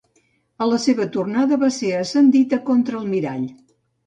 A la seva tornada va ser ascendit a contraalmirall.